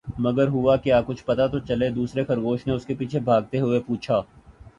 مگر ہوا کیا؟ کچھ تو پتا چلے!“دوسرے خرگوش نے اس کے پیچھے بھاگتے ہوئے پوچھا۔